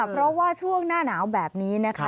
เพราะว่าช่วงหน้าหนาวแบบนี้นะคะ